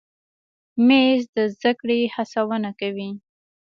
مېز د زده کړې هڅونه کوي.